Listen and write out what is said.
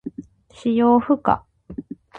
使用不可。